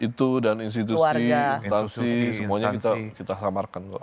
itu dan institusi semuanya kita samarkan